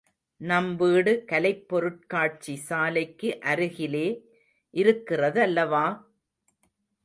நம் வீடு கலைப்பொருட்காட்சி சாலைக்கு அருகிலே இருக்கிறதல்லவா!